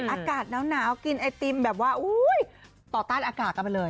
อากาศหนาวกินไอติมแบบว่าต่อต้านอากาศกันไปเลย